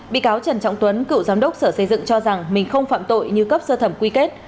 bị cáo trần trọng tuấn cựu giám đốc sở xây dựng cho rằng mình không phạm tội như cấp sơ thẩm quy kết